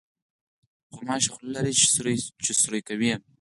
غوماشه خوله لري چې سوري کوي.